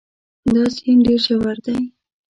دا سیند ډېر ژور دی.